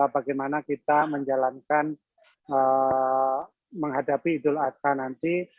bagaimana kita menjalankan menghadapi idul adha nanti